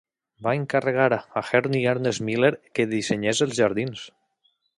Va encarregar a Henry Ernest Milner que dissenyés els jardins.